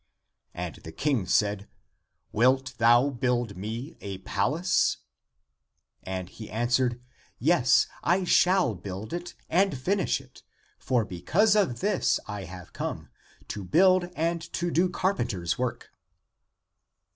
And the King said, " Wilt thou build me a palace ?" And he answered, " Yes, I shall build it, and finish it ; for because of this I have come, to build and to do carpenter's work."